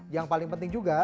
yang paling penting juga